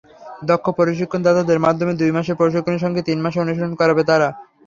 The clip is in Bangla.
দক্ষ প্রশিক্ষণদাতাদের মাধ্যমে দুই মাসের প্রশিক্ষণের সঙ্গে তিন মাসের অনুশীলন করাবে তারা।